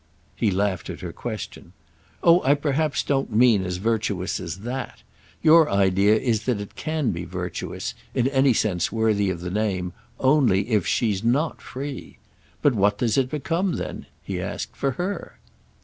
He laughed at her question. "Oh I perhaps don't mean as virtuous as that! Your idea is that it can be virtuous—in any sense worthy of the name—only if she's not free? But what does it become then," he asked, "for _her?